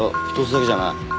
１つだけじゃない。